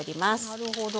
なるほど。